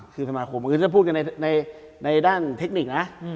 คือสมาคมคือถ้าพูดกันในด้านเทคนิคนะ